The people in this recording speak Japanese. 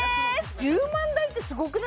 １０万台ってすごくないですか？